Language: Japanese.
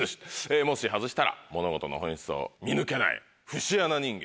もし外したら物事の本質を見抜けない節穴人間。